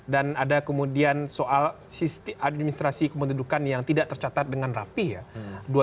dan ada kemudian soal administrasi kepentudukan yang tidak tercatat dengan rapih ya